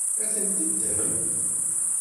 Ad ten-teddem?